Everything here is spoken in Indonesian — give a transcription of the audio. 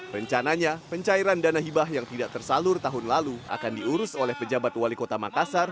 rencananya pencairan dana hibah yang tidak tersalur tahun lalu akan diurus oleh pejabat wali kota makassar